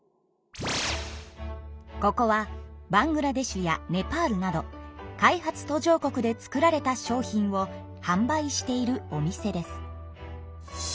ここはバングラデシュやネパールなど開発途上国で作られた商品をはん売しているお店です。